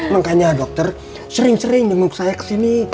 makanya dokter sering sering jemput saya ke sini